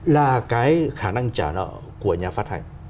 là cái khả năng trả nợ của nhà phát hành